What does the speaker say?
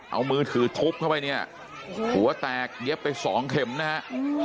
เอามือถือทุบเข้าไปเนี่ยหัวแตกเย็บไปสองเข็มนะฮะ